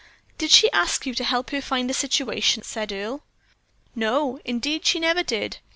"Did she ask you to help her to find a situation?" said Earle. "No, indeed, she never did.